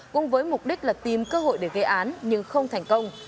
cùng với mục đích là tìm cơ hội để gây án nhưng không thành công